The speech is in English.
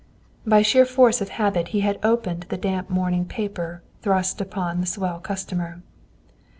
By sheer force of habit, he had opened the damp morning paper thrust upon the swell customer.